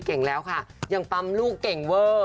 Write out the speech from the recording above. เก่งแล้วค่ะยังปั๊มลูกเก่งเวอร์